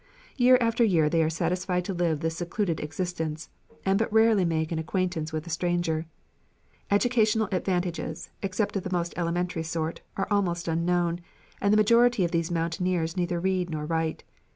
Year after year they are satisfied to live this secluded existence, and but rarely make an acquaintance with a stranger. Educational advantages, except of the most elementary sort, are almost unknown, and the majority of these mountaineers neither read nor write.